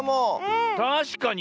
たしかに。